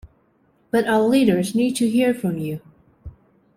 But our leaders need to hear from you.